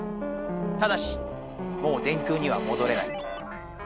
ただしもう「電空」にはもどれない。